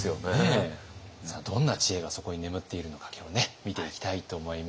さあどんな知恵がそこに眠っているのか今日はね見ていきたいと思います。